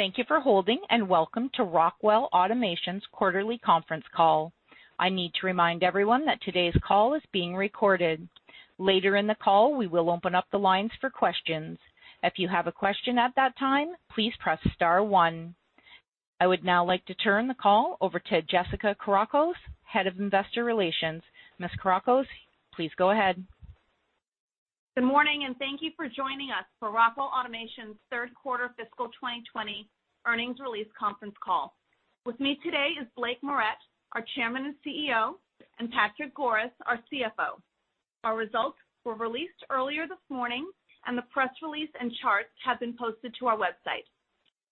Thank you for holding, and welcome to Rockwell Automation's Quarterly Conference Call. I need to remind everyone that today's call is being recorded. Later in the call, we will open up the lines for questions. If you have a question at that time, please press star one. I would now like to turn the call over to Jessica Kourakos, Head of Investor Relations. Ms. Kourakos, please go ahead. Good morning, and thank you for joining us for Rockwell Automation's Third Quarter Fiscal 2020 Earnings Release Conference Call. With me today is Blake Moret, our Chairman and CEO, and Patrick Goris, our CFO. Our results were released earlier this morning. The press release and charts have been posted to our website.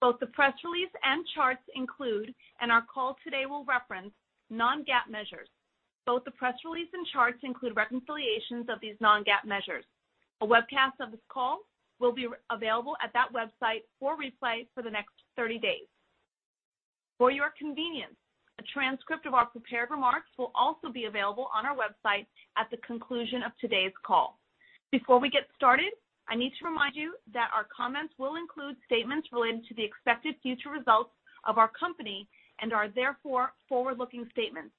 Both the press release and charts include, and our call today will reference, non-GAAP measures. Both the press release and charts include reconciliations of these non-GAAP measures. A webcast of this call will be available at that website for replays for the next 30 days. For your convenience, a transcript of our prepared remarks will also be available on our website at the conclusion of today's call. Before we get started, I need to remind you that our comments will include statements related to the expected future results of our company and are therefore forward-looking statements.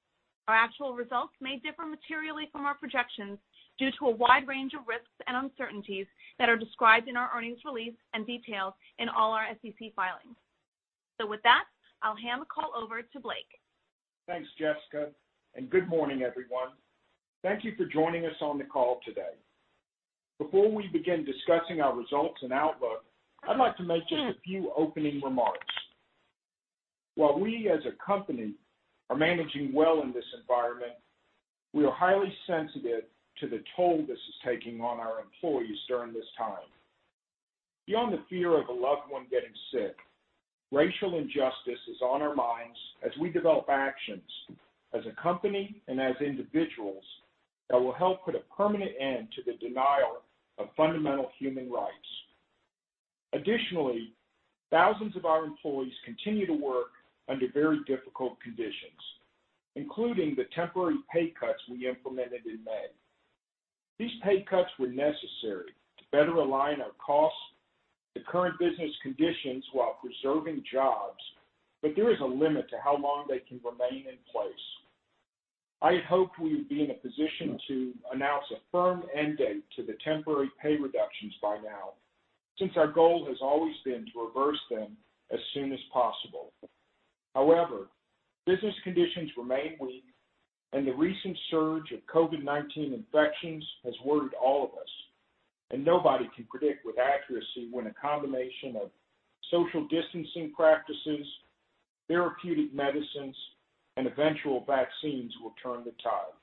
Our actual results may differ materially from our projections due to a wide range of risks and uncertainties that are described in our earnings release and detailed in all our SEC filings. With that, I'll hand the call over to Blake. Thanks, Jessica. Good morning, everyone. Thank you for joining us on the call today. Before we begin discussing our results and outlook, I'd like to make just a few opening remarks. While we as a company are managing well in this environment, we are highly sensitive to the toll this is taking on our employees during this time. Beyond the fear of a loved one getting sick, racial injustice is on our minds as we develop actions as a company and as individuals that will help put a permanent end to the denial of fundamental human rights. Additionally, thousands of our employees continue to work under very difficult conditions, including the temporary pay cuts we implemented in May. These pay cuts were necessary to better align our costs to current business conditions while preserving jobs. There is a limit to how long they can remain in place. I had hoped we would be in a position to announce a firm end date to the temporary pay reductions by now, since our goal has always been to reverse them as soon as possible. However, business conditions remain weak, and the recent surge of COVID-19 infections has worried all of us, and nobody can predict with accuracy when a combination of social distancing practices, therapeutic medicines, and eventual vaccines will turn the tide.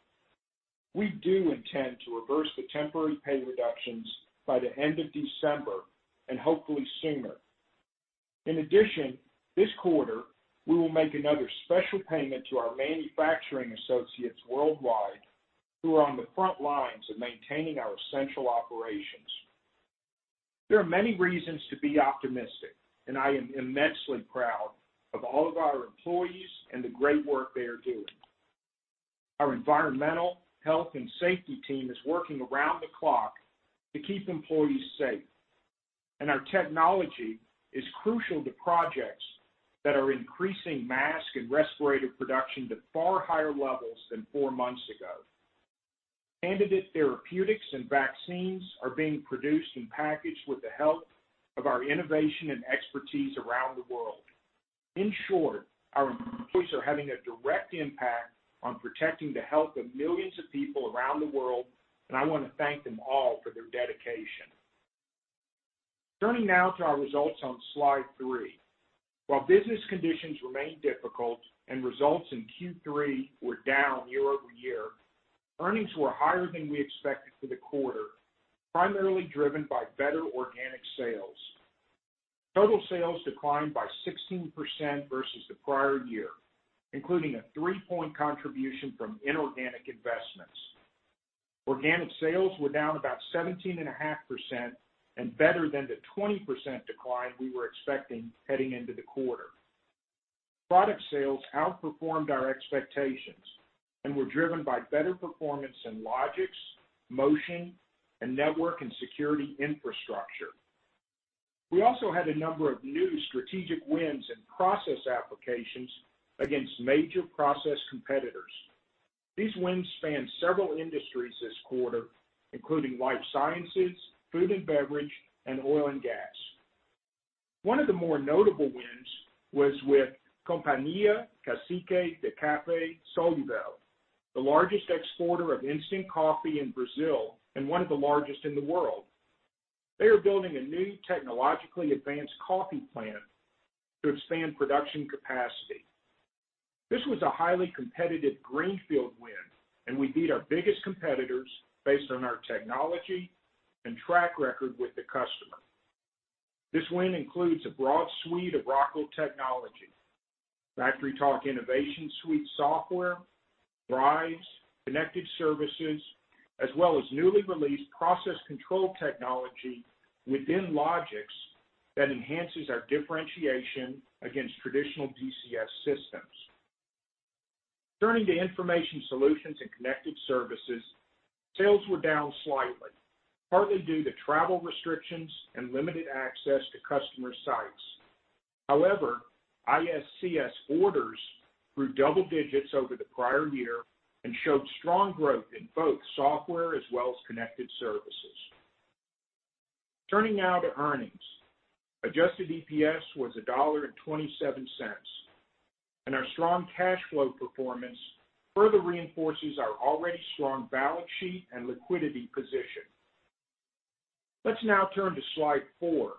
We do intend to reverse the temporary pay reductions by the end of December, and hopefully sooner. In addition, this quarter, we will make another special payment to our manufacturing associates worldwide who are on the front lines of maintaining our essential operations. There are many reasons to be optimistic, and I am immensely proud of all of our employees and the great work they are doing. Our environmental health and safety team is working around the clock to keep employees safe, and our technology is crucial to projects that are increasing mask and respirator production to far higher levels than four months ago. Candidate therapeutics and vaccines are being produced and packaged with the help of our innovation and expertise around the world. In short, our employees are having a direct impact on protecting the health of millions of people around the world, and I want to thank them all for their dedication. Turning now to our results on slide three. While business conditions remain difficult and results in Q3 were down year-over-year, earnings were higher than we expected for the quarter, primarily driven by better organic sales. Total sales declined by 16% versus the prior-year, including a three-point contribution from inorganic investments. Organic sales were down about 17.5% and better than the 20% decline we were expecting heading into the quarter. Product sales outperformed our expectations and were driven by better performance in Logix, Motion, and Network and Security Infrastructure. We also had a number of new strategic wins in process applications against major process competitors. These wins spanned several industries this quarter, including life sciences, food and beverage, and oil and gas. One of the more notable wins was with Companhia Cacique de Café Solúvel, the largest exporter of instant coffee in Brazil and one of the largest in the world. They are building a new technologically advanced coffee plant to expand production capacity. This was a highly competitive greenfield win, and we beat our biggest competitors based on our technology and track record with the customer. This win includes a broad suite of Rockwell technology, FactoryTalk InnovationSuite software, drives, connected services, as well as newly released process control technology within Logix that enhances our differentiation against traditional DCS systems. Turning to information solutions and connected services, sales were down slightly, partly due to travel restrictions and limited access to customer sites. However, IS/CS orders grew double-digits over the prior-year and showed strong growth in both software as well as connected services. Turning now to earnings. Adjusted EPS was $1.27. Our strong cash flow performance further reinforces our already strong balance sheet and liquidity position. Let's now turn to slide four,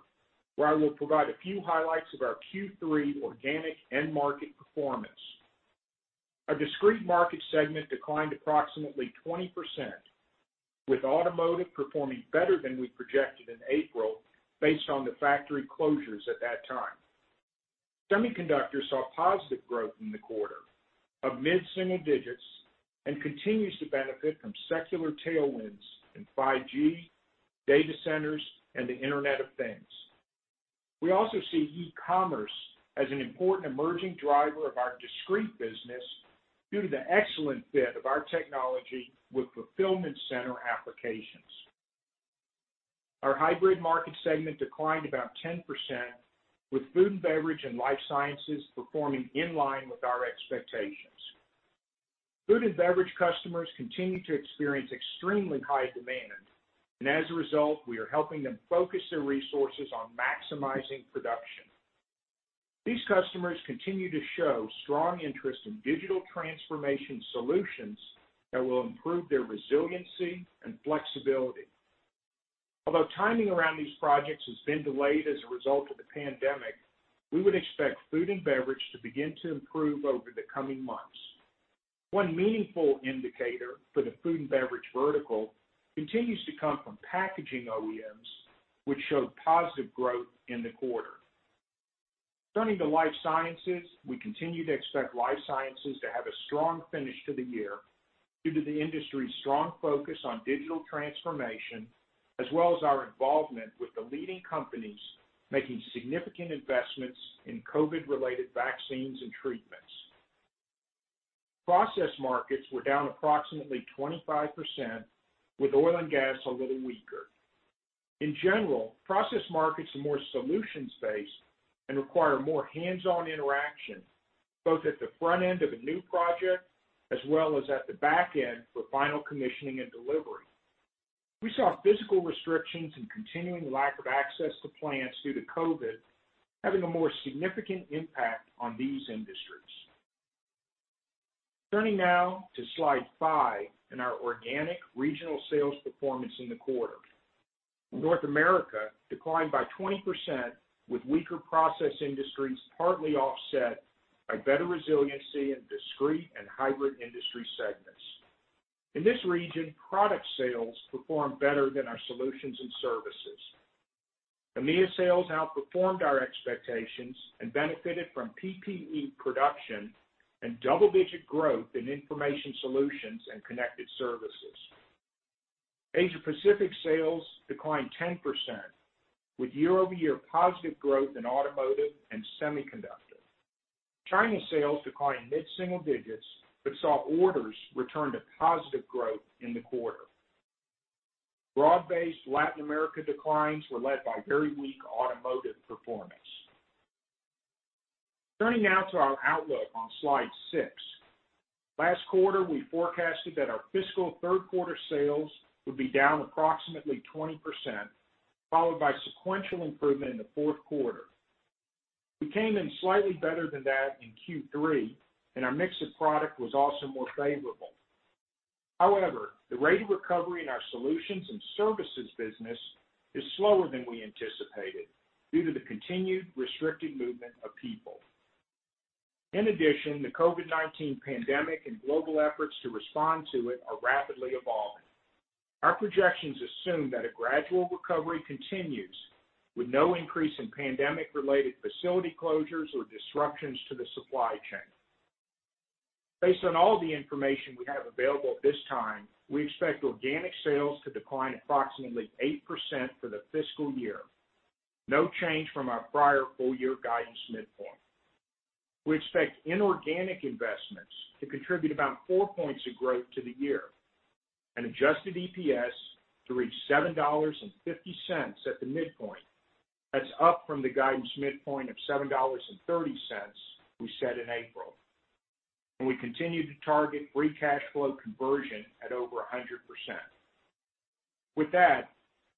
where I will provide a few highlights of our Q3 organic end market performance. Our discrete market segment declined approximately 20%, with automotive performing better than we projected in April based on the factory closures at that time. Semiconductors saw positive growth in the quarter of mid-single-digits and continues to benefit from secular tailwinds in 5G, data centers, and the Internet of Things. We also see e-commerce as an important emerging driver of our discrete business due to the excellent fit of our technology with fulfillment center applications. Our hybrid market segment declined about 10%, with food and beverage and life sciences performing in line with our expectations. Food and beverage customers continue to experience extremely high demand, and as a result, we are helping them focus their resources on maximizing production. These customers continue to show strong interest in digital transformation solutions that will improve their resiliency and flexibility. Although timing around these projects has been delayed as a result of the pandemic, we would expect food and beverage to begin to improve over the coming months. One meaningful indicator for the food and beverage vertical continues to come from packaging OEMs, which showed positive growth in the quarter. Turning to life sciences. We continue to expect life sciences to have a strong finish to the year due to the industry's strong focus on digital transformation, as well as our involvement with the leading companies making significant investments in COVID-related vaccines and treatments. Process markets were down approximately 25%, with oil and gas a little weaker. In general, process markets are more solutions-based and require more hands-on interaction, both at the front-end of a new project as well as at the back-end for final commissioning and delivery. We saw physical restrictions and continuing lack of access to plants due to COVID having a more significant impact on these industries. Turning now to slide five and our organic regional sales performance in the quarter. North America declined by 20%, with weaker process industries partly offset by better resiliency in discrete and hybrid industry segments. In this region, product sales performed better than our solutions and services. EMEA sales outperformed our expectations and benefited from PPE production and double-digit growth in Information Solutions and Connected Services. Asia-Pacific sales declined 10%, with year-over-year positive growth in automotive and semiconductor. China sales declined mid-single-digits but saw orders return to positive growth in the quarter. Broad-based Latin America declines were led by very weak automotive performance. Turning now to our outlook on slide six. Last quarter, we forecasted that our fiscal third quarter sales would be down approximately 20%, followed by sequential improvement in the fourth quarter. We came in slightly better than that in Q3, and our mix of product was also more favorable. However, the rate of recovery in our solutions and services business is slower than we anticipated due to the continued restricted movement of people. In addition, the COVID-19 pandemic and global efforts to respond to it are rapidly evolving. Our projections assume that a gradual recovery continues, with no increase in pandemic-related facility closures or disruptions to the supply chain. Based on all the information we have available at this time, we expect organic sales to decline approximately 8% for the fiscal year, no change from our prior full-year guidance midpoint. We expect inorganic investments to contribute about four-points of growth to the year, and adjusted EPS to reach $7.50 at the midpoint. That's up from the guidance midpoint of $7.30 we set in April. We continue to target free cash flow conversion at over 100%. With that,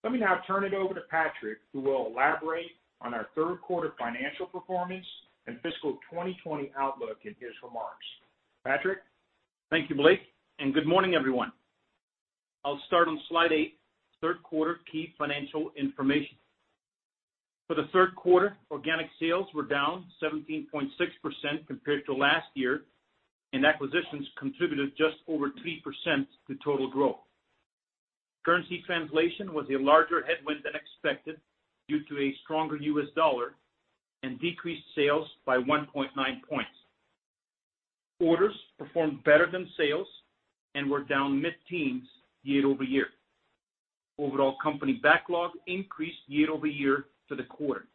let me now turn it over to Patrick, who will elaborate on our third quarter financial performance and fiscal 2020 outlook in his remarks. Patrick? Thank you, Blake, and good morning, everyone. I'll start on slide eight, third quarter key financial information. For the third quarter, organic sales were down 17.6% compared to last year, and acquisitions contributed just over 3% to total growth. Currency translation was a larger headwind than expected due to a stronger U.S. dollar and decreased sales by 1.9-points. Orders performed better than sales and were down mid-teens year-over-year. Overall company backlog increased year-over-year for the quarter.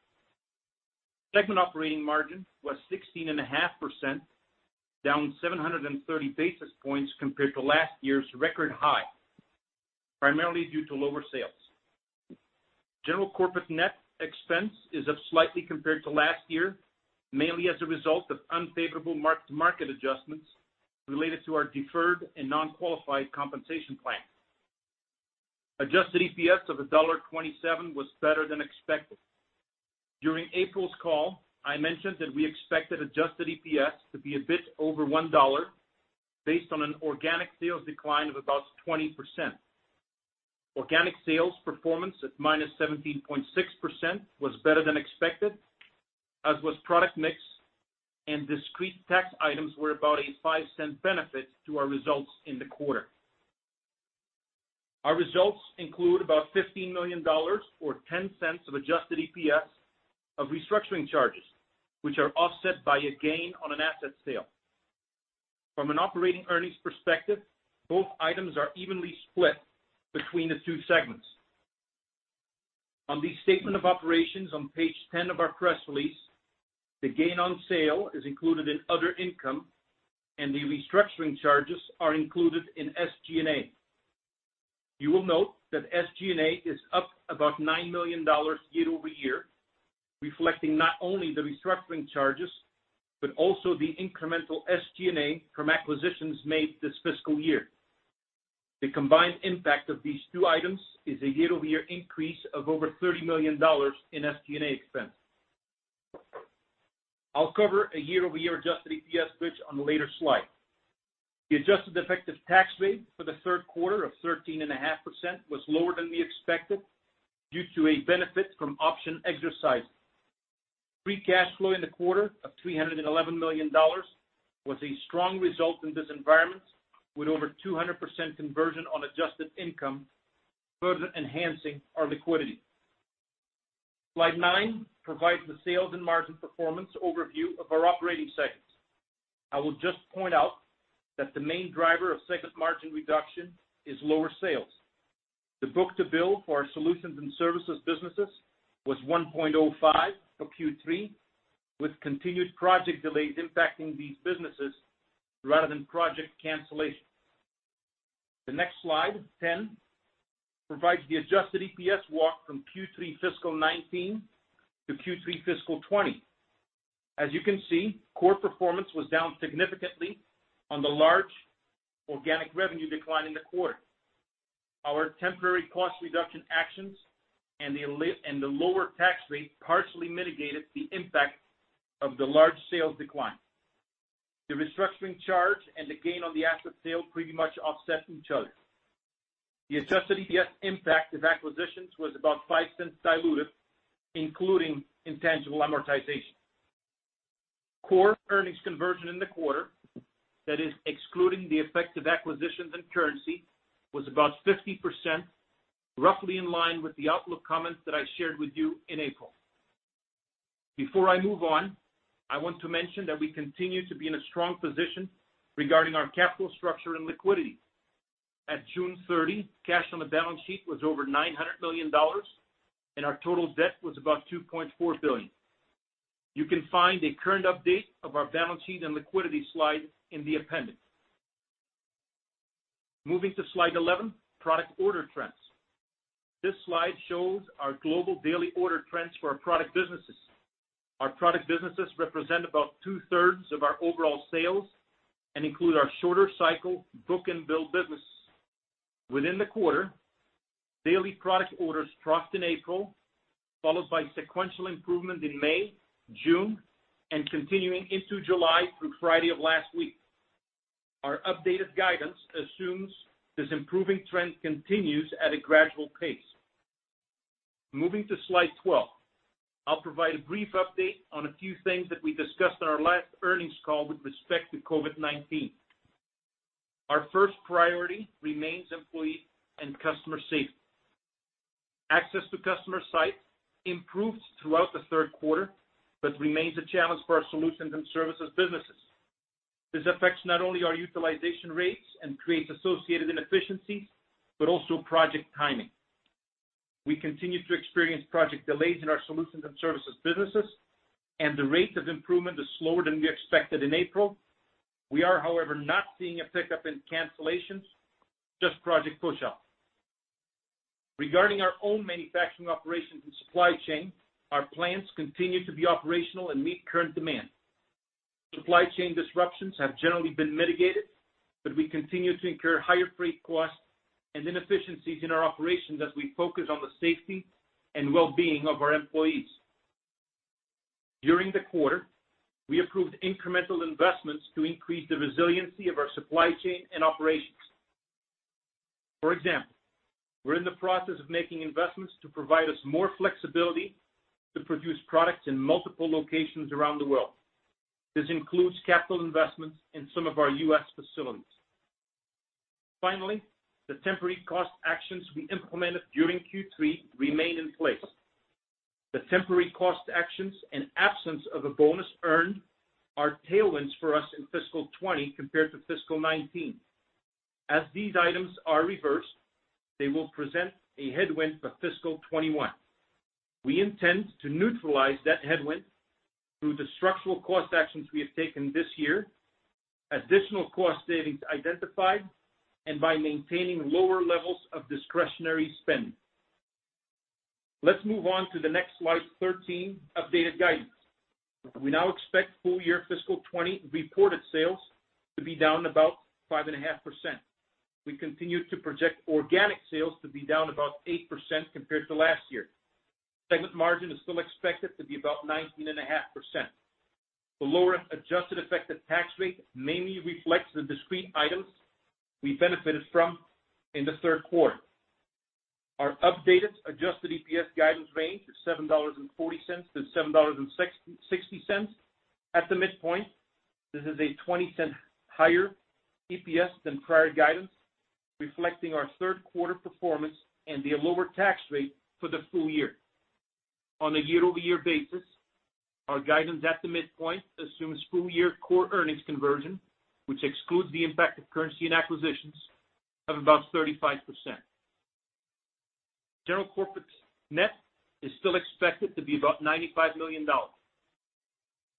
Segment operating margin was 16.5%, down 730 basis points compared to last year's record high, primarily due to lower sales. General corporate net expense is up slightly compared to last year, mainly as a result of unfavorable mark-to-market adjustments related to our deferred and non-qualified compensation plan. Adjusted EPS of $1.27 was better than expected. During April's call, I mentioned that we expected adjusted EPS to be a bit over $1 based on an organic sales decline of about 20%. Organic sales performance at -17.6% was better than expected, as was product mix, and discrete tax items were about a $0.05 benefit to our results in the quarter. Our results include about $15 million or $0.10 of adjusted EPS of restructuring charges, which are offset by a gain on an asset sale. From an operating earnings perspective, both items are evenly split between the two segments. On the statement of operations on page 10 of our press release, the gain on sale is included in other income, and the restructuring charges are included in SG&A. You will note that SG&A is up about $9 million year-over-year, reflecting not only the restructuring charges, but also the incremental SG&A from acquisitions made this fiscal year. The combined impact of these two items is a year-over-year increase of over $30 million in SG&A expense. I'll cover a year-over-year adjusted EPS switch on a later slide. The adjusted effective tax-rate for the third quarter of 13.5% was lower than we expected due to a benefit from option exercises. Free cash flow in the quarter of $311 million was a strong result in this environment, with over 200% conversion on adjusted income, further enhancing our liquidity. Slide nine, provides the sales and margin performance overview of our operating segments. I will just point out that the main driver of segment margin reduction is lower sales. The book-to-bill for our solutions and services businesses was 1.05 for Q3, with continued project delays impacting these businesses rather than project cancellation. The next slide, 10, provides the adjusted EPS walk from Q3 fiscal 2019 to Q3 fiscal 2020. As you can see, core performance was down significantly on the large organic revenue decline in the quarter. Our temporary cost reduction actions and the lower tax rate partially mitigated the impact of the large sales decline. The restructuring charge and the gain on the asset sale pretty much offset each other. The adjusted EPS impact of acquisitions was about $0.05 diluted, including intangible amortization. Core earnings conversion in the quarter, that is excluding the effects of acquisitions and currency, was about 50%, roughly in line with the outlook comments that I shared with you in April. Before I move on, I want to mention that we continue to be in a strong position regarding our capital structure and liquidity. At June 30, cash on the balance sheet was over $900 million, and our total debt was about $2.4 billion. You can find a current update of our balance sheet and liquidity slide in the appendix. Moving to Slide 11, product order trends. This slide shows our global daily order trends for our product businesses. Our product businesses represent about 2/3 of our overall sales and include our shorter cycle book-to-bill business. Within the quarter, daily product orders dropped in April, followed by sequential improvement in May, June, and continuing into July through Friday of last week. Our updated guidance assumes this improving trend continues at a gradual pace. Moving to Slide 12. I'll provide a brief update on a few things that we discussed on our last earnings call with respect to COVID-19. Our first priority remains employee and customer safety. Access to customer site improved throughout the third quarter, but remains a challenge for our solutions and services businesses. This affects not only our utilization rates and creates associated inefficiencies, but also project timing. We continue to experience project delays in our solutions and services businesses, and the rate of improvement is slower than we expected in April. We are, however, not seeing a pickup in cancellations, just project push off. Regarding our own manufacturing operations and supply chain, our plants continue to be operational and meet current demand. Supply chain disruptions have generally been mitigated, but we continue to incur higher freight costs and inefficiencies in our operations as we focus on the safety and well-being of our employees. During the quarter, we approved incremental investments to increase the resiliency of our supply chain and operations. For example, we're in the process of making investments to provide us more flexibility to produce products in multiple locations around the world. This includes capital investments in some of our U.S. facilities. Finally, the temporary cost actions we implemented during Q3 remain in place. The temporary cost actions and absence of a bonus earned are tailwinds for us in fiscal 2020 compared to fiscal 2019. As these items are reversed, they will present a headwind for fiscal 2021. We intend to neutralize that headwind through the structural cost actions we have taken this year, additional cost savings identified, and by maintaining lower levels of discretionary spend. Let's move on to the next slide 13, updated guidance. We now expect full-year fiscal 2020 reported sales to be down about 5.5%. We continue to project organic sales to be down about 8% compared to last year. Segment margin is still expected to be about 19.5%. The lower adjusted effective tax rate mainly reflects the discrete items we benefited from in the third quarter. Our updated adjusted EPS guidance range is $7.40-$7.60. At the midpoint, this is a $0.20 higher EPS than prior guidance, reflecting our third quarter performance and the lower tax rate for the full-year. On a year-over-year basis, our guidance at the midpoint assumes full-year core earnings conversion, which excludes the impact of currency and acquisitions of about 35%. General corporate net is still expected to be about $95 million.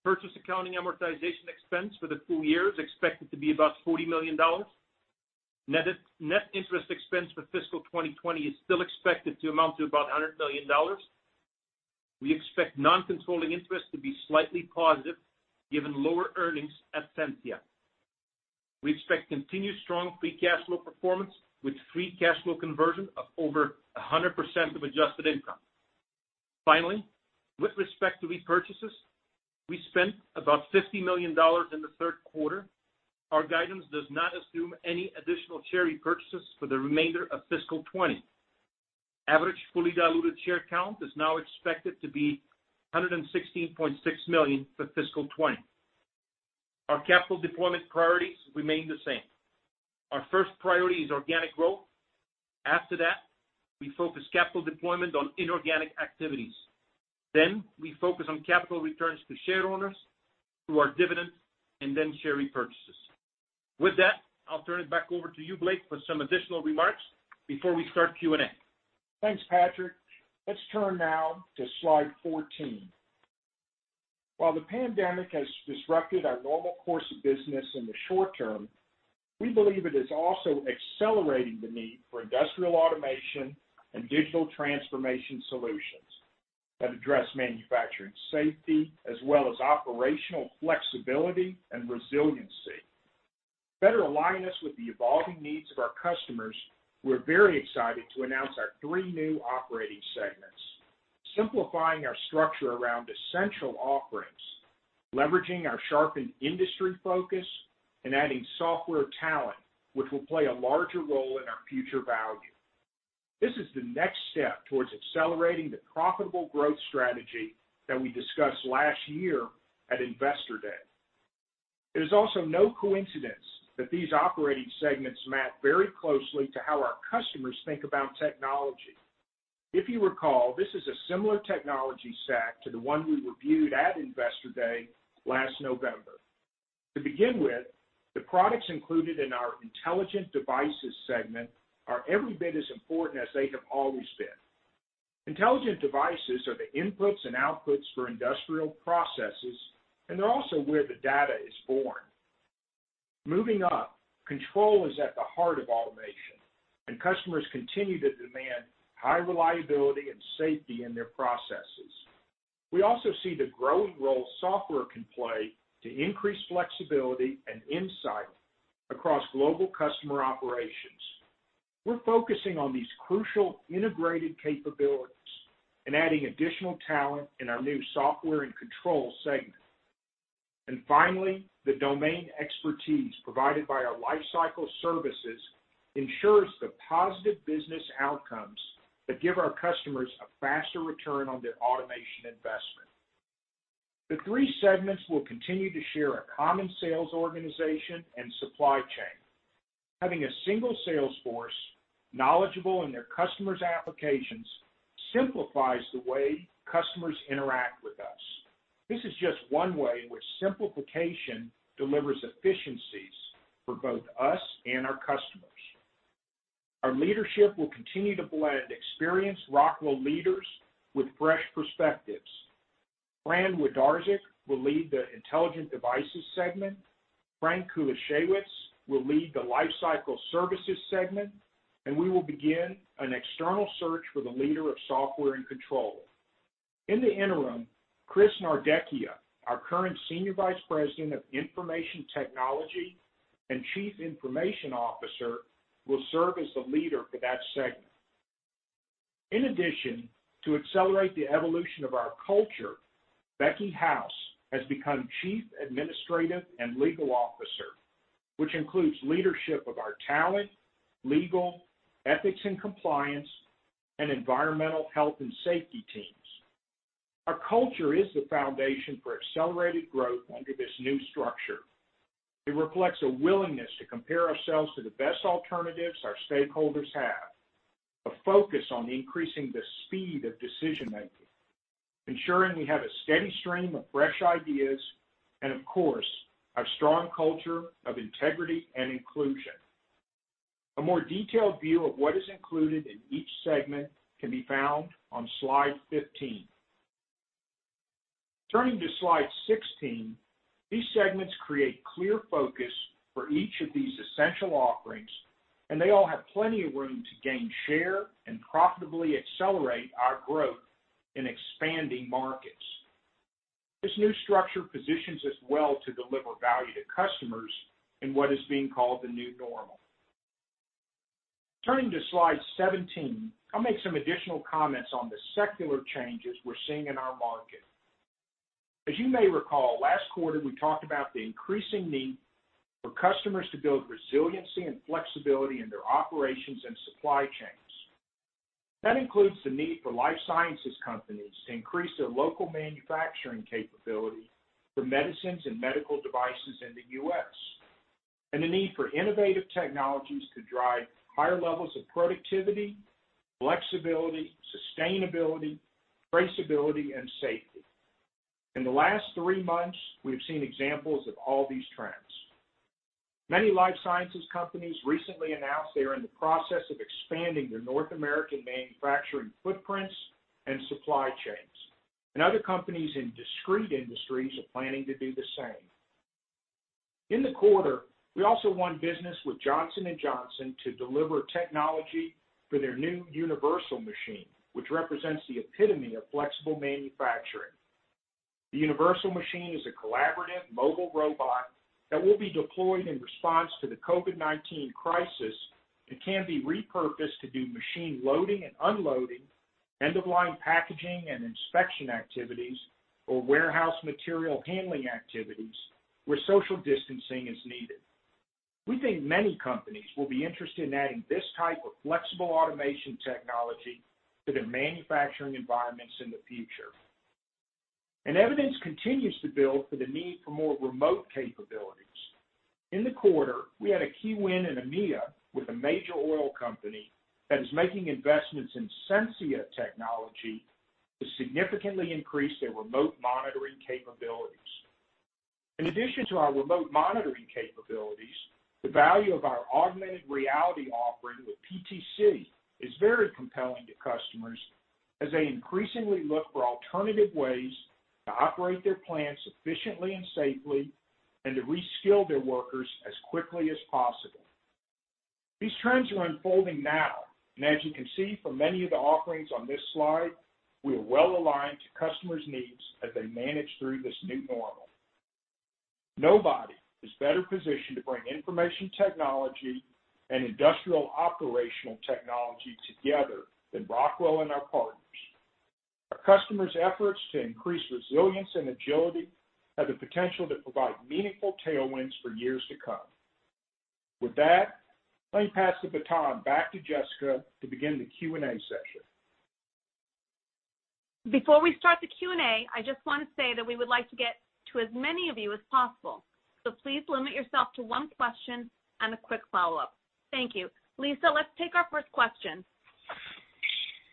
Purchase accounting amortization expense for the full-year is expected to be about $40 million. Net interest expense for fiscal 2020 is still expected to amount to about $100 million. We expect non-controlling interest to be slightly positive given lower earnings at Sensia. We expect continued strong free cash flow performance with free cash flow conversion of over 100% of adjusted income. Finally, with respect to repurchases, we spent about $50 million in the third quarter. Our guidance does not assume any additional share repurchases for the remainder of fiscal 2020. Average fully diluted share count is now expected to be 116.6 million for fiscal 2020. Our capital deployment priorities remain the same. Our first priority is organic growth. After that, we focus capital deployment on inorganic activities. We focus on capital returns to share owners through our dividends and then share repurchases. With that, I'll turn it back over to you, Blake, for some additional remarks before we start Q&A. Thanks, Patrick. Let's turn now to slide 14. While the pandemic has disrupted our normal course of business in the short-term, we believe it is also accelerating the need for industrial automation and digital transformation solutions that address manufacturing safety as well as operational flexibility and resiliency. To better align us with the evolving needs of our customers, we're very excited to announce our three new operating segments, simplifying our structure around essential offerings, leveraging our sharpened industry focus, and adding software talent, which will play a larger role in our future value. This is the next step towards accelerating the profitable growth strategy that we discussed last year at Investor Day. It is also no coincidence that these operating segments map very closely to how our customers think about technology. If you recall, this is a similar technology stack to the one we reviewed at Investor Day last November. To begin with, the products included in our Intelligent Devices segment are every bit as important as they have always been. Intelligent Devices are the inputs and outputs for industrial processes, and they're also where the data is born. Moving up, control is at the heart of automation, and customers continue to demand high reliability and safety in their processes. We also see the growing role software can play to increase flexibility and insight across global customer operations. We're focusing on these crucial integrated capabilities and adding additional talent in our new Software & Control segment. The domain expertise provided by our Lifecycle Services ensures the positive business outcomes that give our customers a faster return on their automation investment. The three segments will continue to share a common sales organization and supply chain. Having a single sales force knowledgeable in their customers' applications simplifies the way customers interact with us. This is just one way in which simplification delivers efficiencies for both us and our customers. Our leadership will continue to blend experienced Rockwell leaders with fresh perspectives. Fran Wlodarczyk will lead the Intelligent Devices segment, Frank Kulaszewicz will lead the Lifecycle Services segment, and we will begin an external search for the leader of Software and Control. In the interim, Chris Nardecchia, our current Senior Vice President of Information Technology and Chief Information Officer, will serve as the leader for that segment. In addition to accelerate the evolution of our culture, Becky House has become Chief Administrative and Legal Officer, which includes leadership of our talent, legal, ethics and compliance, and environmental health and safety teams. Our culture is the foundation for accelerated growth under this new structure. It reflects a willingness to compare ourselves to the best alternatives our stakeholders have. A focus on increasing the speed of decision-making, ensuring we have a steady stream of fresh ideas, and of course, a strong culture of integrity and inclusion. A more detailed view of what is included in each segment can be found on slide 15. Turning to slide 16, these segments create clear focus for each of these essential offerings, and they all have plenty of room to gain share and profitably accelerate our growth in expanding markets. This new structure positions us well to deliver value to customers in what is being called the new normal. Turning to slide 17, I'll make some additional comments on the secular changes we're seeing in our market. As you may recall, last quarter, we talked about the increasing need for customers to build resiliency and flexibility in their operations and supply chains. That includes the need for life sciences companies to increase their local manufacturing capability for medicines and medical devices in the U.S., and the need for innovative technologies to drive higher levels of productivity, flexibility, sustainability, traceability, and safety. In the last three months, we've seen examples of all these trends. Many life sciences companies recently announced they are in the process of expanding their North American manufacturing footprints and supply chains, and other companies in discrete industries are planning to do the same. In the quarter, we also won business with Johnson & Johnson to deliver technology for their new Universal Machine, which represents the epitome of flexible manufacturing. The Universal Machine is a collaborative mobile robot that will be deployed in response to the COVID-19 crisis. It can be repurposed to do machine loading and unloading, end-of-line packaging and inspection activities, or warehouse material handling activities where social distancing is needed. We think many companies will be interested in adding this type of flexible automation technology to their manufacturing environments in the future. Evidence continues to build for the need for more remote capabilities. In the quarter, we had a key win in EMEA with a major oil company that is making investments in Sensia technology to significantly increase their remote monitoring capabilities. In addition to our remote monitoring capabilities, the value of our augmented reality offering with PTC is very compelling to customers as they increasingly look for alternative ways to operate their plants efficiently and safely and to reskill their workers as quickly as possible. These trends are unfolding now, and as you can see from many of the offerings on this slide, we are well-aligned to customers' needs as they manage through this new normal. Nobody is better positioned to bring information technology and industrial operational technology together than Rockwell and our partners. Our customers' efforts to increase resilience and agility have the potential to provide meaningful tailwinds for years to come. With that, let me pass the baton back to Jessica to begin the Q&A session. Before we start the Q&A, I just want to say that we would like to get to as many of you as possible, please limit yourself to one question and a quick follow-up. Thank you. Lisa, let's take our first question.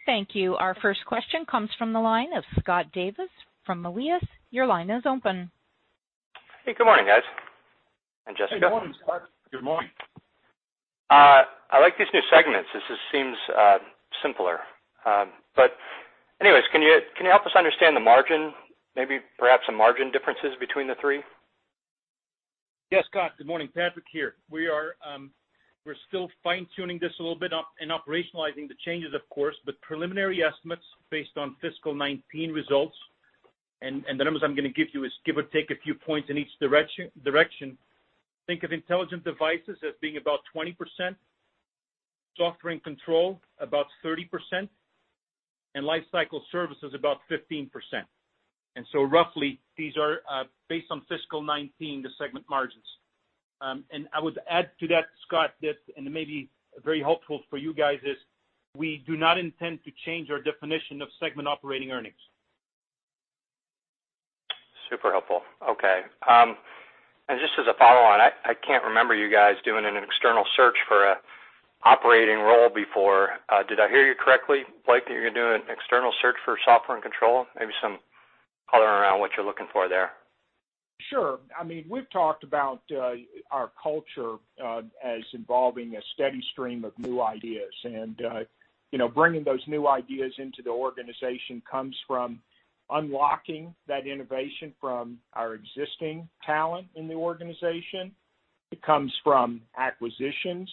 Thank you. Our first question comes from the line of Scott Davis from Melius. Your line is open. Hey, good morning, guys and Jessica. Good morning, Scott. Good morning. I like these new segments. This just seems simpler. Anyways, can you help us understand the margin, maybe perhaps some margin differences between the three? Yes, Scott. Good morning. Patrick here. We're still fine-tuning this a little bit and operationalizing the changes, of course. Preliminary estimates based on fiscal 2019 results, and the numbers I'm going to give you is give or take a few points in each direction. Think of Intelligent Devices as being about 20%, Software and Control about 30%, and Lifecycle Services about 15%. Roughly, these are based on fiscal 2019, the segment margins. I would add to that, Scott, that, and it may be very helpful for you guys, is we do not intend to change our definition of segment operating earnings. Super helpful. Okay. Just as a follow-on, I can't remember you guys doing an external search for an operating role before. Did I hear you correctly, Blake, that you're doing an external search for Software & Control? Maybe some color around what you're looking for there. Sure. We've talked about our culture as involving a steady stream of new ideas. Bringing those new ideas into the organization comes from unlocking that innovation from our existing talent in the organization. It comes from acquisitions.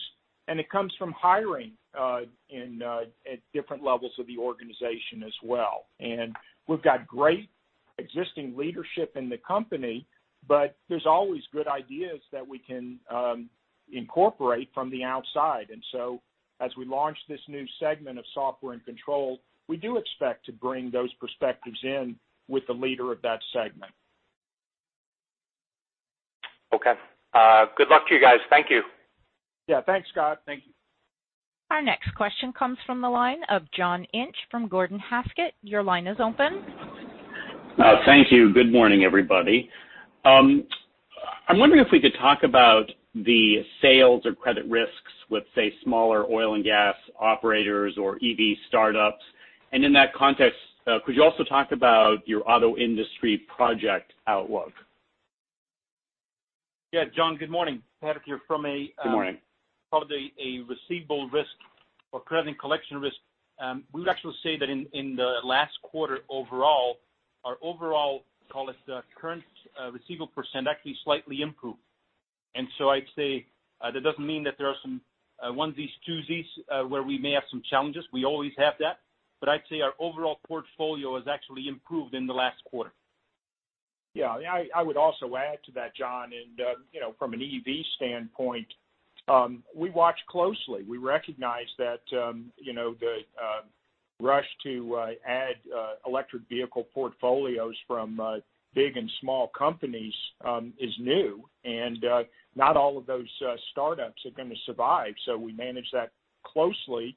It comes from hiring at different levels of the organization as well. We've got great existing leadership in the company, but there's always good ideas that we can incorporate from the outside. As we launch this new segment of Software & Control, we do expect to bring those perspectives in with the leader of that segment. Okay. Good luck to you guys. Thank you. Yeah. Thanks, Scott. Thank you. Our next question comes from the line of John Inch from Gordon Haskett. Your line is open. Thank you. Good morning, everybody. I'm wondering if we could talk about the sales or credit risks with, say, smaller oil and gas operators or EV startups? In that context, could you also talk about your auto industry project outlook? Yeah, John, good morning. Patrick here. Good morning. From probably a receivable risk or credit and collection risk, we would actually say that in the last quarter, our overall, call it the current receivable percent, actually slightly improved. I'd say that doesn't mean that there are some onesies, twosies where we may have some challenges. We always have that. I'd say our overall portfolio has actually improved in the last quarter. Yeah. I would also add to that, John, from an EV standpoint, we watch closely. We recognize that the rush to add electric vehicle portfolios from big and small companies is new. Not all of those startups are going to survive. We manage that closely.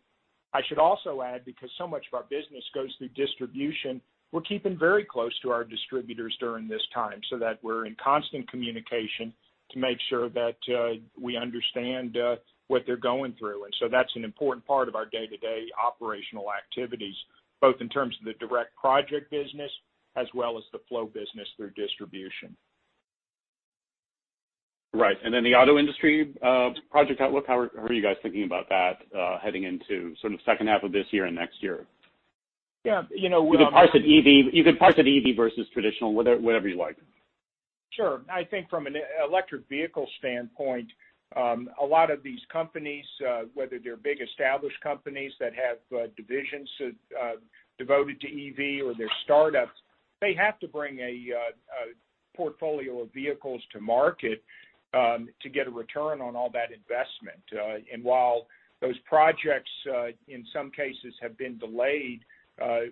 I should also add, because so much of our business goes through distribution, we're keeping very close to our distributors during this time so that we're in constant communication to make sure that we understand what they're going through. That's an important part of our day-to-day operational activities, both in terms of the direct project business as well as the flow business through distribution. Right. The auto industry project outlook, how are you guys thinking about that heading into sort of the second half of this year and next year? Yeah. You can parse it EV versus traditional, whatever you like. Sure. I think from an electric vehicle standpoint, a lot of these companies, whether they're big, established companies that have divisions devoted to EV or they're startups, they have to bring a portfolio of vehicles to market to get a return on all that investment. While those projects, in some cases, have been delayed,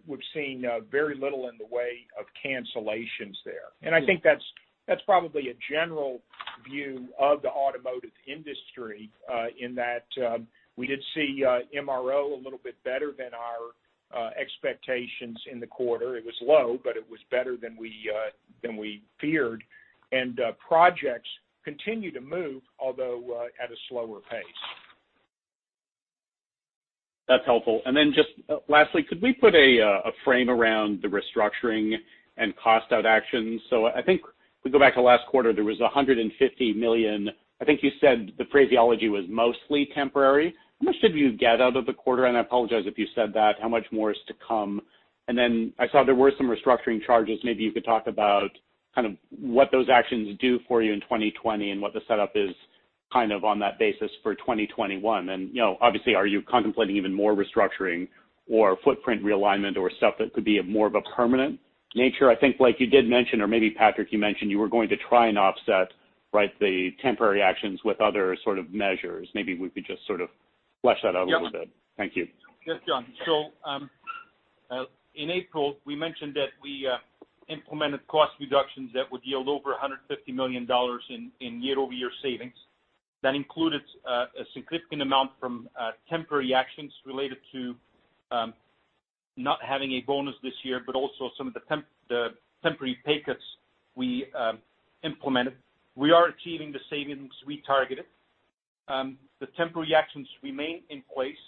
we've seen very little in the way of cancellations there. I think that's probably a general view of the automotive industry in that we did see MRO a little bit better than our expectations in the quarter. It was low, but it was better than we feared. Projects continue to move, although at a slower pace. That's helpful. Lastly, could we put a frame around the restructuring and cost-out actions? I think if we go back to last quarter, there was $150 million. I think you said the phraseology was mostly temporary. How much did you get out of the quarter? I apologize if you said that. How much more is to come? I saw there were some restructuring charges. Maybe you could talk about kind of what those actions do for you in 2020, and what the setup is kind of on that basis for 2021. Obviously, are you contemplating even more restructuring or footprint realignment or stuff that could be more of a permanent nature? I think like you did mention, or maybe Patrick, you mentioned you were going to try and offset the temporary actions with other sort of measures. Maybe we could just sort of flesh that out a little bit. Yeah. Thank you. Yes, John. In April, we mentioned that we implemented cost reductions that would yield over $150 million in year-over-year savings. That included a significant amount from temporary actions related to not having a bonus this year, but also some of the temporary pay cuts we implemented. We are achieving the savings we targeted. The temporary actions remain in place.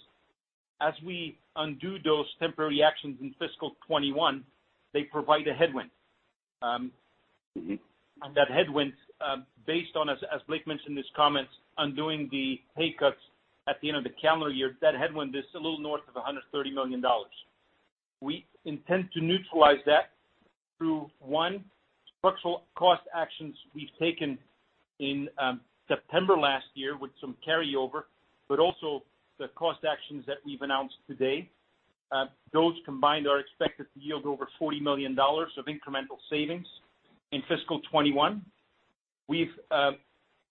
As we undo those temporary actions in fiscal 2021, they provide a headwind. That headwind, based on, as Blake mentioned his comments, undoing the pay cuts at the end of the calendar year, that headwind is a little north of $130 million. We intend to neutralize that through, one, structural cost actions we've taken in September last year with some carryover, but also the cost actions that we've announced today. Those combined are expected to yield over $40 million of incremental savings in fiscal 2021. We've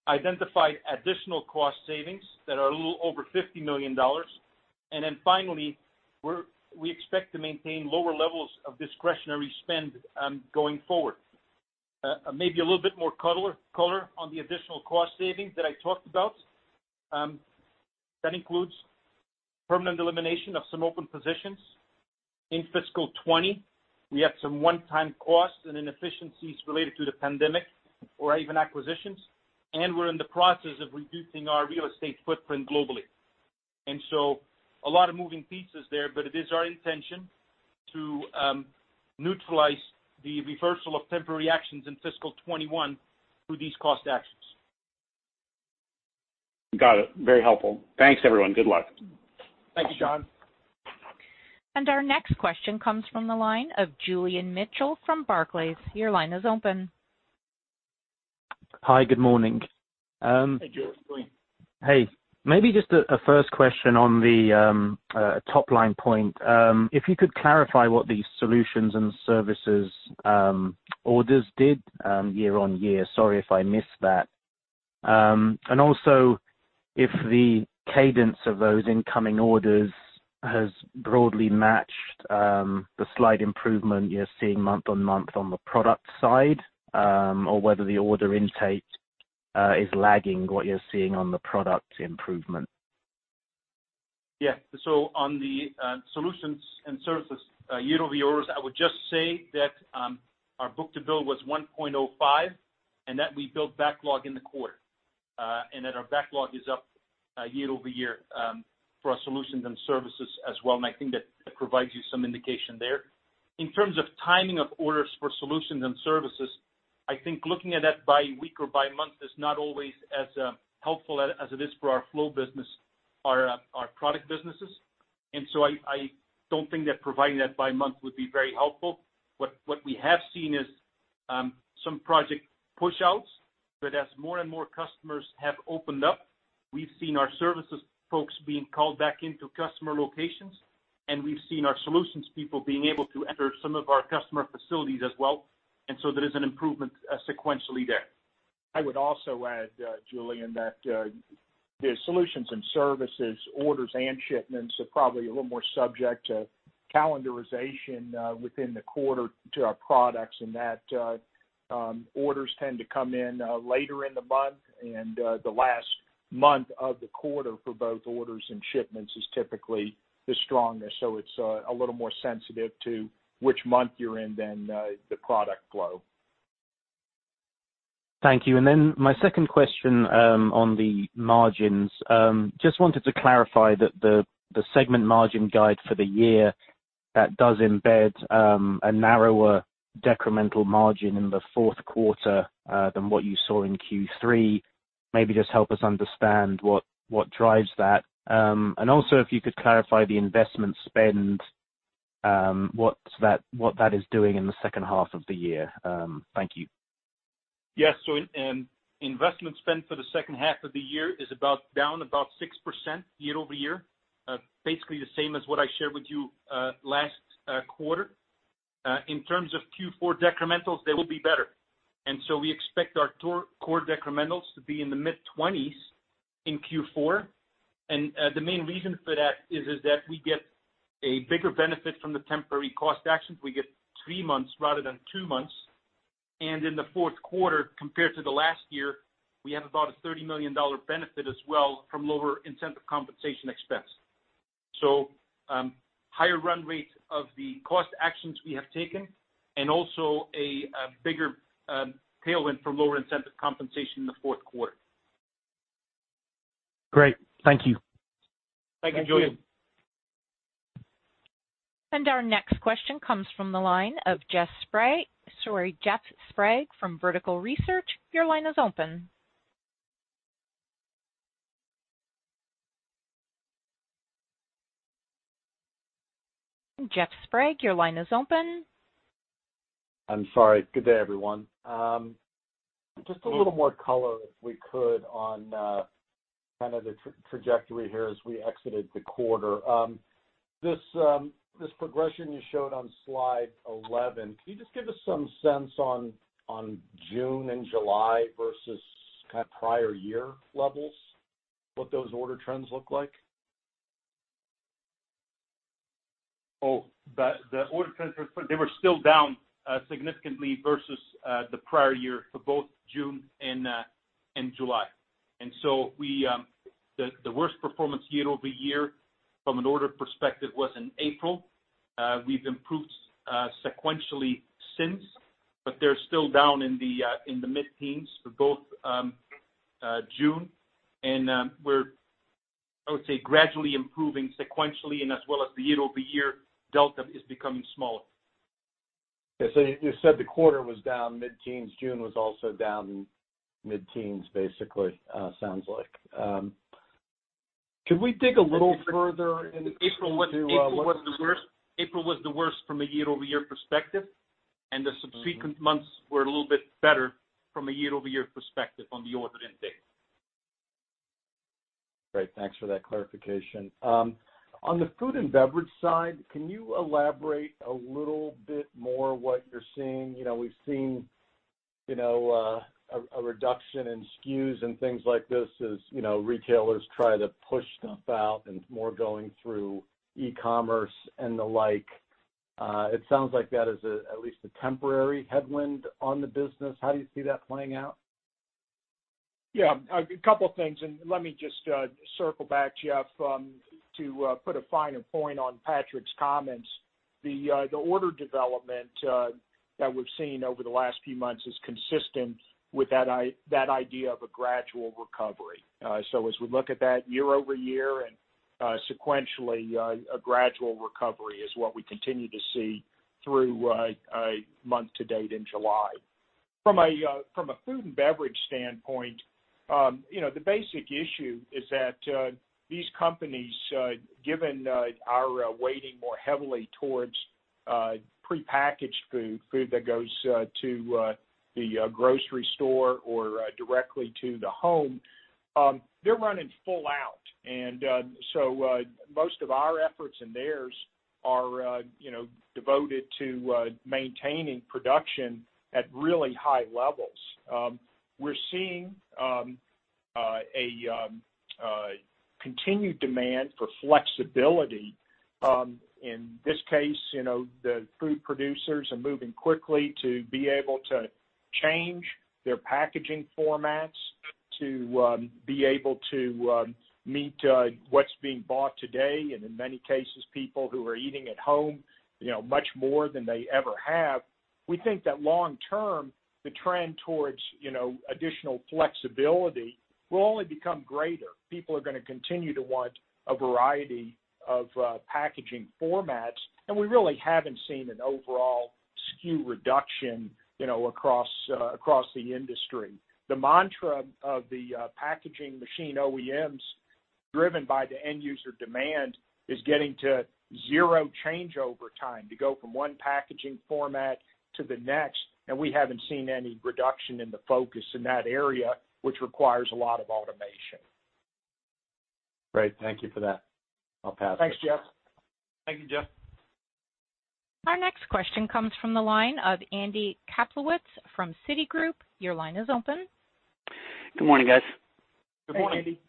identified additional cost savings that are a little over $50 million. Finally, we expect to maintain lower levels of discretionary spend going forward. Maybe a little bit more color on the additional cost savings that I talked about. That includes permanent elimination of some open positions. In fiscal 2020, we had some one-time costs and inefficiencies related to the pandemic or even acquisitions, and we're in the process of reducing our real estate footprint globally. A lot of moving pieces there, but it is our intention to neutralize the reversal of temporary actions in fiscal 2021 through these cost actions. Got it. Very helpful. Thanks, everyone. Good luck. Thank you, John. Our next question comes from the line of Julian Mitchell from Barclays. Your line is open. Hi. Good morning. Hey, Julian. Hey. Maybe just a first question on the top-line point. If you could clarify what the solutions and services orders did year-over-year. Sorry if I missed that. Also, if the cadence of those incoming orders has broadly matched the slight improvement you're seeing month-over-month on the product side, or whether the order intake is lagging what you're seeing on the product improvement. Yes. On the solutions and services year-over-year, I would just say that our book-to-bill was 1.05, and that we built backlog in the quarter, and that our backlog is up year-over-year for our solutions and services as well. I think that provides you some indication there. In terms of timing of orders for solutions and services, I think looking at that by week or by month is not always as helpful as it is for our flow business, our product businesses. I don't think that providing that by month would be very helpful. What we have seen is some project push outs, but as more and more customers have opened up, we've seen our services folks being called back into customer locations, and we've seen our solutions people being able to enter some of our customer facilities as well. There is an improvement sequentially there. I would also add, Julian, that the solutions and services orders and shipments are probably a little more subject to calendarization within the quarter to our products, and that orders tend to come in later in the month, and the last month of the quarter for both orders and shipments is typically the strongest. It's a little more sensitive to which month you're in than the product flow. Thank you. My second question on the margins. Just wanted to clarify that the segment margin guide for the year, that does embed a narrower decremental margin in the fourth quarter than what you saw in Q3. Maybe just help us understand what drives that. If you could clarify the investment spend, what that is doing in the second half of the year. Thank you. Yes. Investment spend for the second half of the year is down about 6% year-over-year. Basically the same as what I shared with you last quarter. In terms of Q4 decrementals, they will be better. We expect our core decrementals to be in the mid-20s in Q4. The main reason for that is that we get a bigger benefit from the temporary cost actions. We get three months rather than two months. In the fourth quarter compared to the last year, we have about a $30 million benefit as well from lower incentive compensation expense. Higher run-rate of the cost actions we have taken, and also a bigger tailwind for lower incentive compensation in the fourth quarter. Great. Thank you. Thank you, Julian. Thank you. Our next question comes from the line of Jeff Sprague. Sorry, Jeff Sprague from Vertical Research. Your line is open. Jeff Sprague, your line is open. I'm sorry. Good day, everyone. Just a little more color, if we could, on kind of the trajectory here as we exited the quarter. This progression you showed on slide 11, can you just give us some sense on June and July versus kind of prior-year levels, what those order trends look like? Oh, the order trends, they were still down significantly versus the prior-year for both June and July. The worst performance year-over-year from an order perspective was in April. We've improved sequentially since, but they're still down in the mid-teens for both June, and we're, I would say, gradually improving sequentially and as well as the year-over-year delta is becoming smaller. Yeah. You said the quarter was down mid-teens. June was also down mid-teens basically, sounds like. Could we dig a little further into? April was the worst from a year-over-year perspective, and the subsequent months were a little bit better from a year-over-year perspective on the order intake. Great. Thanks for that clarification. On the food and beverage side, can you elaborate a little bit more what you're seeing? We've seen a reduction in SKUs and things like this as retailers try to push stuff out and more going through e-commerce and the like. It sounds like that is at least a temporary headwind on the business. How do you see that playing out? Yeah, a couple things. Let me just circle back, Jeff, to put a finer point on Patrick's comments. The order development that we've seen over the last few months is consistent with that idea of a gradual recovery. As we look at that year-over-year and sequentially, a gradual recovery is what we continue to see through month to date in July. From a food and beverage standpoint, the basic issue is that these companies, given our weighting more heavily towards prepackaged food that goes to the grocery store or directly to the home, they're running full out. Most of our efforts and theirs are devoted to maintaining production at really high levels. We're seeing a continued demand for flexibility. In this case, the food producers are moving quickly to be able to change their packaging formats to be able to meet what's being bought today, and in many cases, people who are eating at home much more than they ever have. We think that long-term, the trend towards additional flexibility will only become greater. People are going to continue to want a variety of packaging formats, and we really haven't seen an overall SKU reduction across the industry. The mantra of the packaging machine OEMs, driven by the end-user demand, is getting to zero changeover time to go from one packaging format to the next, and we haven't seen any reduction in the focus in that area, which requires a lot of automation. Great. Thank you for that. I'll pass. Thanks, Jeff. Thank you, Jeff. Our next question comes from the line of Andy Kaplowitz from Citigroup. Your line is open. Good morning, guys. Good morning. Good morning, Andy.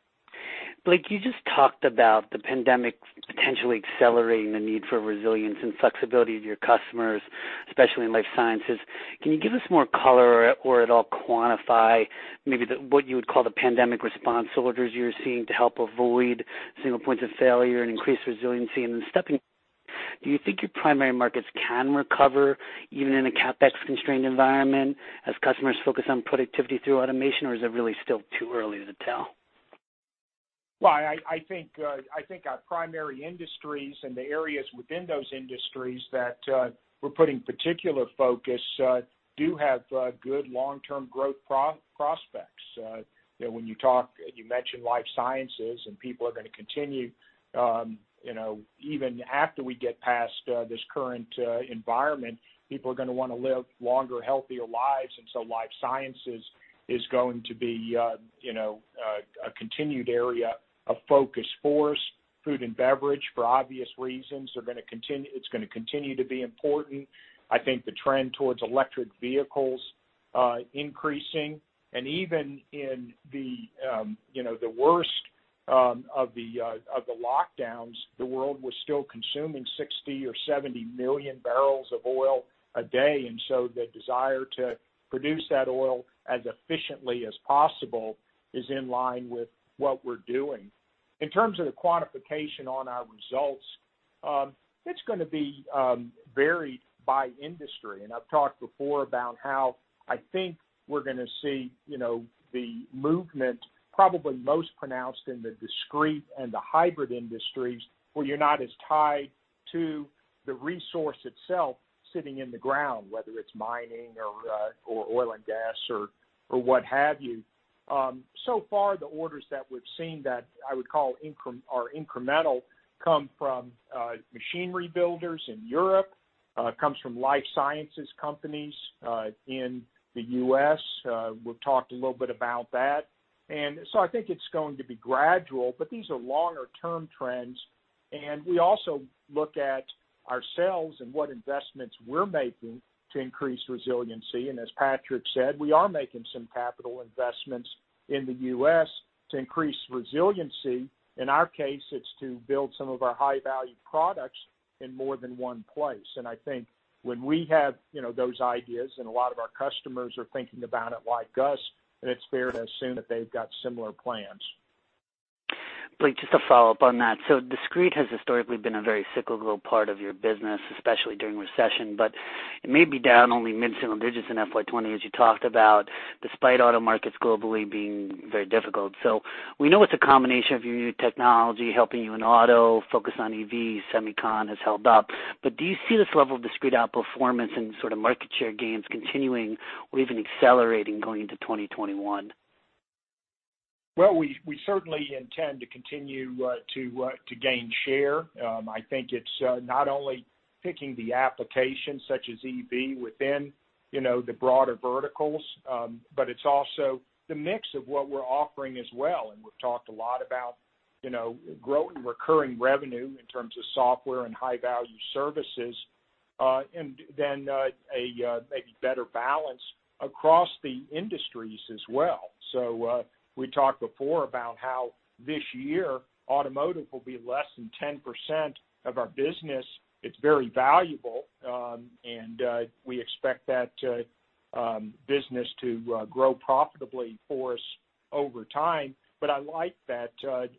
Blake, you just talked about the pandemic potentially accelerating the need for resilience and flexibility to your customers, especially in life sciences. Can you give us more color or at all quantify maybe what you would call the pandemic response orders you're seeing to help avoid single points of failure and increase resiliency in the [stepping? Do you think your primary markets can recover even in a CapEx-constrained environment as customers focus on productivity through automation, or is it really still too early to tell? I think our primary industries and the areas within those industries that we're putting particular focus do have good long-term growth prospects. When you mentioned life sciences and people are going to continue, even after we get past this current environment, people are going to want to live longer, healthier lives. Life sciences is going to be a continued area of focus for us. Food and beverage, for obvious reasons, it's going to continue to be important. I think the trend towards electric vehicles increasing, and even in the worst of the lockdowns, the world was still consuming 60 or 70 million barrels of oil a day. The desire to produce that oil as efficiently as possible is in line with what we're doing. In terms of the quantification on our results, it's going to be varied by industry. I've talked before about how I think we're going to see the movement probably most pronounced in the discrete and the hybrid industries, where you're not as tied to the resource itself sitting in the ground, whether it's mining or oil and gas or what have you. So far, the orders that we've seen that I would call are incremental come from machinery builders in Europe, comes from life sciences companies in the U.S. We've talked a little bit about that. I think it's going to be gradual, but these are longer-term trends, and we also look at ourselves and what investments we're making to increase resiliency. As Patrick said, we are making some capital investments in the U.S. to increase resiliency. In our case, it's to build some of our high-value products in more than one place. I think when we have those ideas and a lot of our customers are thinking about it like us, then it's fair to assume that they've got similar plans. Blake, just to follow-up on that. Discrete has historically been a very cyclical part of your business, especially during recession, but it may be down only mid-single-digits in FY 2020, as you talked about, despite auto markets globally being very difficult. We know it's a combination of your new technology helping you in auto, focus on EV, semicon has held up, but do you see this level of discrete outperformance and sort of market share gains continuing or even accelerating going into 2021? Well, we certainly intend to continue to gain share. I think it's not only picking the application such as EV within the broader verticals, but it's also the mix of what we're offering as well, and we've talked a lot about growth and recurring revenue in terms of software and high-value services, and then a maybe better balance across the industries as well. We talked before about how this year automotive will be less than 10% of our business. It's very valuable, and we expect that business to grow profitably for us over time. I like that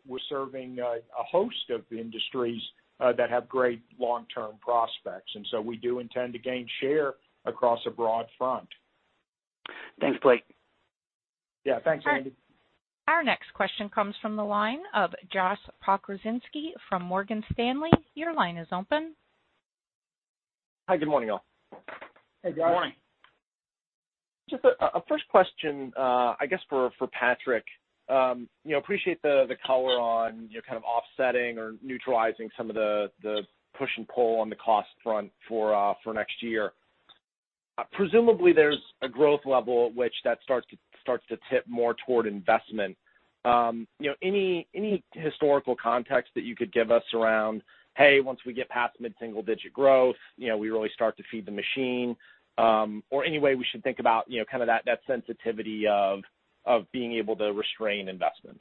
we're serving a host of industries that have great long-term prospects, and so we do intend to gain share across a broad front. Thanks, Blake. Yeah. Thanks, Andy. Our next question comes from the line of Josh Pokrzywinski from Morgan Stanley. Your line is open. Hi. Good morning, y'all. Hey, Josh. Good morning. Just a first question, I guess for Patrick. Appreciate the color on kind of offsetting or neutralizing some of the push and pull on the cost front for next year. Presumably, there's a growth level at which that starts to tip more toward investment. Any historical context that you could give us around, hey, once we get past mid-single-digit growth, we really start to feed the machine, or any way we should think about kind of that sensitivity of being able to restrain investment?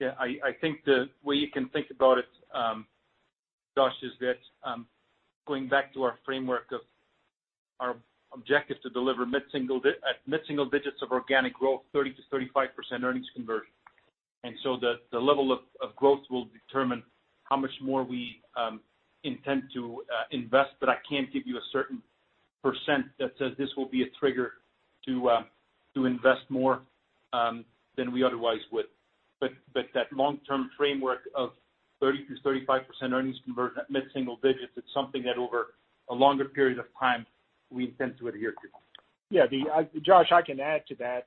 Yeah, I think the way you can think about it, Josh, is that going back to our framework of our objective to deliver mid-single-digits of organic growth, 30%-35% earnings conversion. The level of growth will determine how much more we intend to invest. I can't give you a certain percent that says this will be a trigger to invest more than we otherwise would. That long-term framework of 30%-35% earnings conversion at mid-single-digits, it's something that over a longer period of time, we intend to adhere to. Yeah. Josh, I can add to that.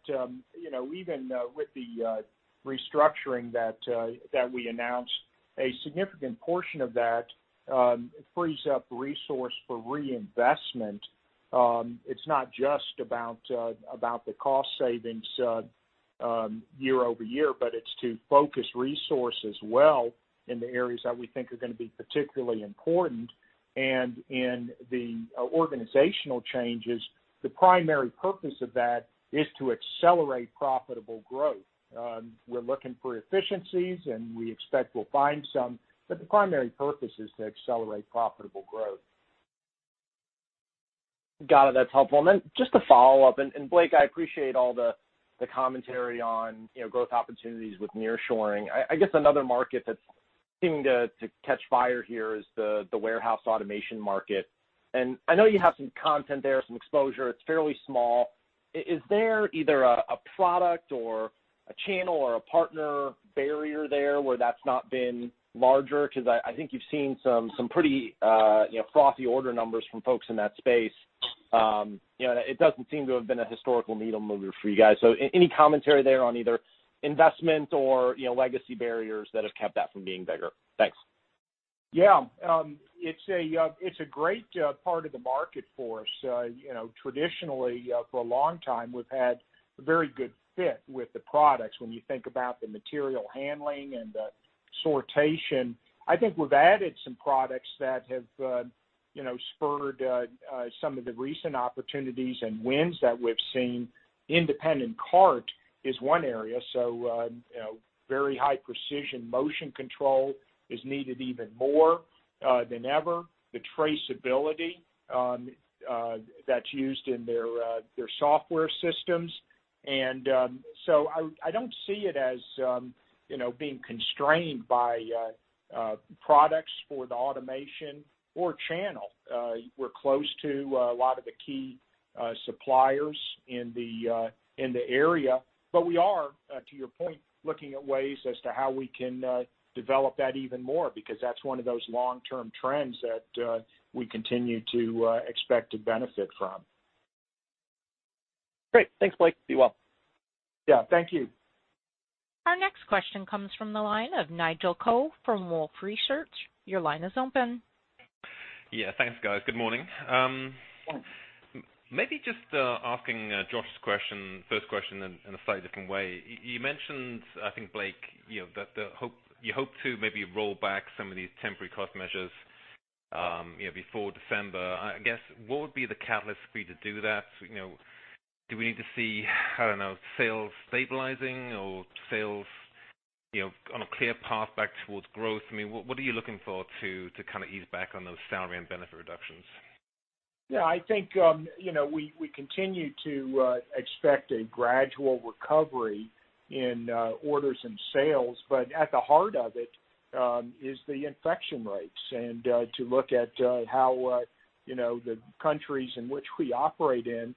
Even with the restructuring that we announced, a significant portion of that frees up resource for reinvestment. It's not just about the cost savings year-over-year, but it's to focus resource as well in the areas that we think are going to be particularly important. In the organizational changes, the primary purpose of that is to accelerate profitable growth. We're looking for efficiencies, and we expect we'll find some, but the primary purpose is to accelerate profitable growth. Got it. That's helpful. Just to follow-up, Blake, I appreciate all the commentary on growth opportunities with nearshoring. I guess another market that's seeming to catch fire here is the warehouse automation market. I know you have some content there, some exposure. It's fairly small. Is there either a product or a channel or a partner barrier there where that's not been larger? I think you've seen some pretty frothy order numbers from folks in that space. It doesn't seem to have been a historical needle mover for you guys. Any commentary there on either investment or legacy barriers that have kept that from being bigger? Thanks. Yeah. It's a great part of the market for us. Traditionally, for a long time, we've had a very good fit with the products when you think about the material handling and the sortation. I think we've added some products that have spurred some of the recent opportunities and wins that we've seen. Independent cart is one area. Very high precision Motion control is needed even more than ever. The traceability that's used in their software systems. I don't see it as being constrained by products for the automation or channel. We're close to a lot of the key suppliers in the area. We are, to your point, looking at ways as to how we can develop that even more, because that's one of those long-term trends that we continue to expect to benefit from. Great. Thanks, Blake. You're welcome. Yeah. Thank you. Our next question comes from the line of Nigel Coe from Wolfe Research. Your line is open. Yeah. Thanks, guys. Good morning. Thanks. Maybe just asking Josh's first question in a slightly different way. You mentioned, I think, Blake, that you hope to maybe roll back some of these temporary cost measures before December. I guess, what would be the catalyst for you to do that? Do we need to see, I don't know, sales stabilizing or sales on a clear path back towards growth? What are you looking for to kind of ease back on those salary and benefit reductions? I think we continue to expect a gradual recovery in orders and sales, but at the heart of it is the infection rates, and to look at how the countries in which we operate in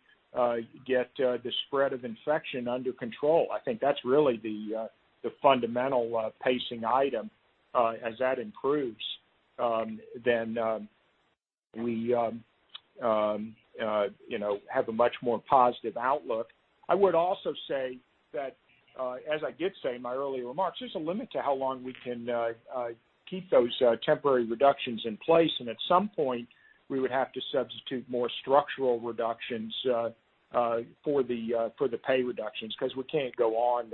get the spread of infection under control. I think that's really the fundamental pacing item. As that improves, then we have a much more positive outlook. I would also say that, as I did say in my earlier remarks, there's a limit to how long we can keep those temporary reductions in place, and at some point, we would have to substitute more structural reductions for the pay reductions because we can't go on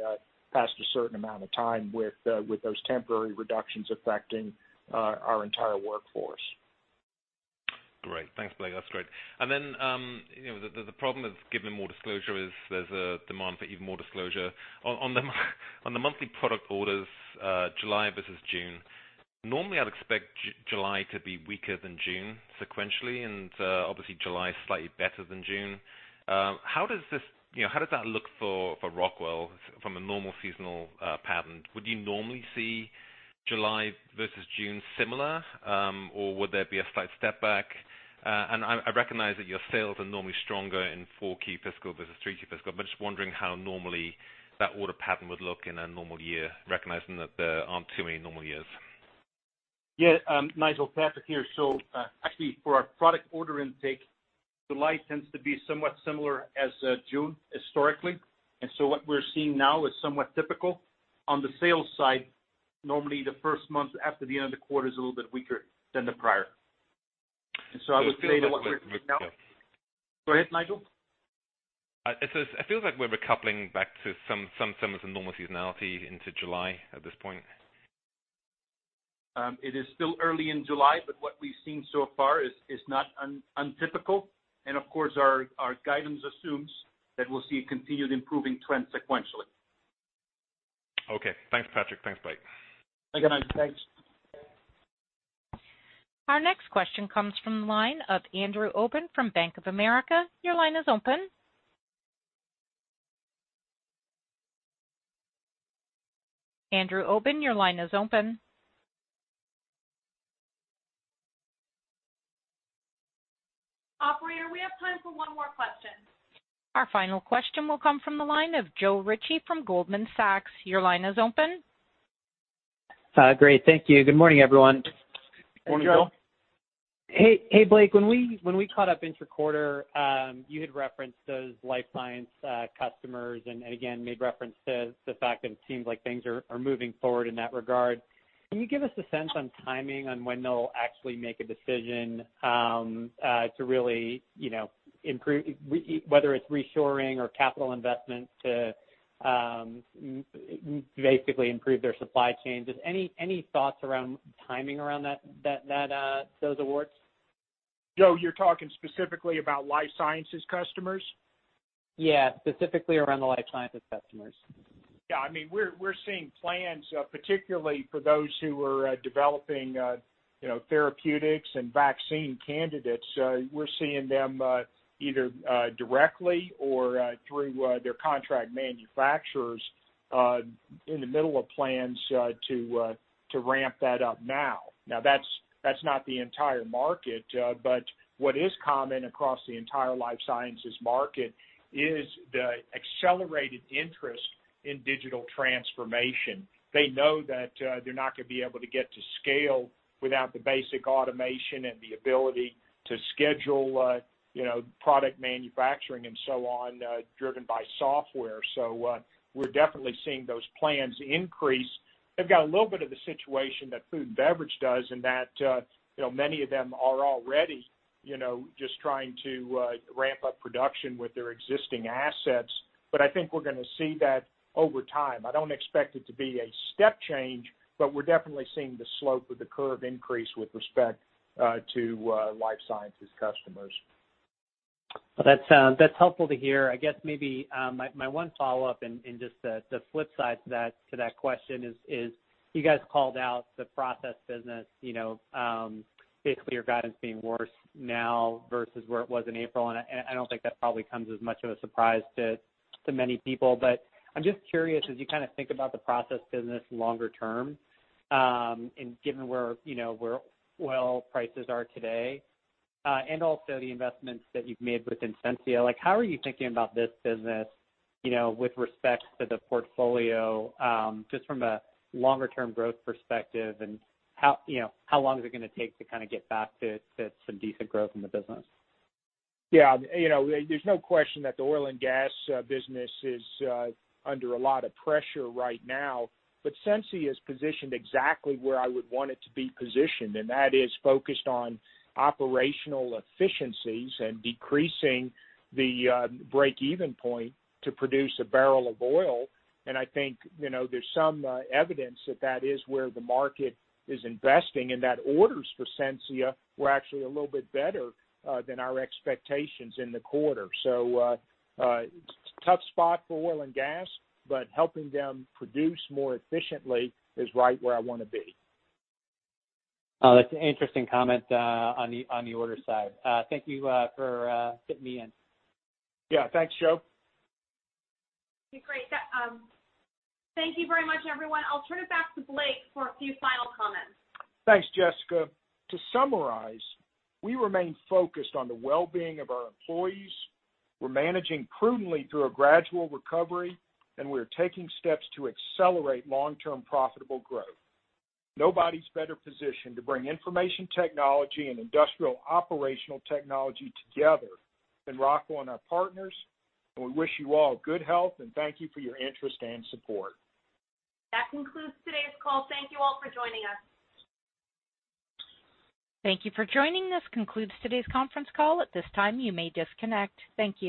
past a certain amount of time with those temporary reductions affecting our entire workforce. Great. Thanks, Blake. That's great. Then the problem with giving more disclosure is there's a demand for even more disclosure. On the monthly product orders, July versus June. Normally, I'd expect July to be weaker than June sequentially, obviously July is slightly better than June. How does that look for Rockwell from a normal seasonal pattern? Would you normally see July versus June similar? Or would there be a slight step back? I recognize that your sales are normally stronger in four key fiscal versus three key fiscal, but just wondering how normally that order pattern would look in a normal year, recognizing that there aren't too many normal years. Yeah, Nigel, Patrick here. Actually for our product order intake, July tends to be somewhat similar as June historically. What we're seeing now is somewhat typical. On the sales side, normally the first month after the end of the quarter is a little bit weaker than the prior. I would say that what we're seeing now. So it feels like we're. Go ahead, Nigel. It feels like we're coupling back to some of the normal seasonality into July at this point. It is still early in July, but what we've seen so far is not untypical. Of course, our guidance assumes that we'll see a continued improving trend sequentially. Okay. Thanks, Patrick. Thanks, Blake. Again, thanks. Our next question comes from the line of Andrew Obin from Bank of America. Your line is open. Andrew Obin, your line is open. Operator, we have time for one more question. Our final question will come from the line of Joe Ritchie from Goldman Sachs. Your line is open. Great. Thank you. Good morning, everyone. Morning, Joe. Hey, Blake. When we caught up inter-quarter, you had referenced those life science customers and again, made reference to the fact that it seems like things are moving forward in that regard. Can you give us a sense on timing on when they'll actually make a decision to really improve, whether it's reshoring or capital investments to basically improve their supply chains? Just any thoughts around timing around those awards? Joe, you're talking specifically about life sciences customers? Yeah, specifically around the life sciences customers. Yeah, we're seeing plans, particularly for those who are developing therapeutics and vaccine candidates. We're seeing them either directly or through their contract manufacturers in the middle of plans to ramp that up now. That's not the entire market. What is common across the entire life sciences market is the accelerated interest in digital transformation. They know that they're not going to be able to get to scale without the basic automation and the ability to schedule product manufacturing and so on, driven by software. We're definitely seeing those plans increase. They've got a little bit of the situation that food and beverage does in that many of them are already just trying to ramp-up production with their existing assets. I think we're going to see that over time. I don't expect it to be a step change, but we're definitely seeing the slope of the curve increase with respect to life sciences customers. That's helpful to hear. I guess maybe my one follow-up and just the flip side to that question is you guys called out the process business, basically your guidance being worse now versus where it was in April. I don't think that probably comes as much of a surprise to many people. I'm just curious, as you kind of think about the process business longer-term, and given where oil prices are today, and also the investments that you've made within Sensia, how are you thinking about this business with respect to the portfolio, just from a longer-term growth perspective, and how long is it going to take to kind of get back to some decent growth in the business? Yeah. There's no question that the oil and gas business is under a lot of pressure right now. Sensia is positioned exactly where I would want it to be positioned, and that is focused on operational efficiencies and decreasing the break-even point to produce a barrel of oil. I think there's some evidence that is where the market is investing, and that orders for Sensia were actually a little bit better than our expectations in the quarter. Tough spot for oil and gas, but helping them produce more efficiently is right where I want to be. That's an interesting comment on the orders side. Thank you for fitting me in. Yeah. Thanks, Joe. Okay, great. Thank you very much, everyone. I'll turn it back to Blake for a few final comments. Thanks, Jessica. To summarize, we remain focused on the well-being of our employees. We're managing prudently through a gradual recovery, and we are taking steps to accelerate long-term profitable growth. Nobody's better positioned to bring information technology and industrial operational technology together than Rockwell and our partners, and we wish you all good health, and thank you for your interest and support. That concludes today's call. Thank you all for joining us. Thank you for joining. This concludes today's conference call. At this time, you may disconnect. Thank you.